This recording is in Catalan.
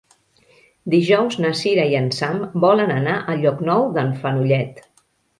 Dijous na Cira i en Sam volen anar a Llocnou d'en Fenollet.